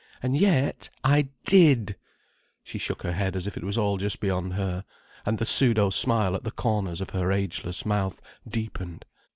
And yet—I did—!" She shook her head as if it was all just beyond her, and the pseudo smile at the corners of her ageless mouth deepened.